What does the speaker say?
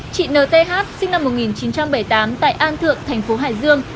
chị nth sinh năm một nghìn chín trăm bảy mươi tám tại an thượng thành phố hải dương